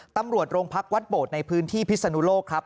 ตำรวจโรงพักวัดโบดในพื้นที่พิศนุโลกครับ